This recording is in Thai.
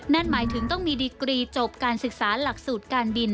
นั่นหมายถึงต้องมีดีกรีจบการศึกษาหลักสูตรการบิน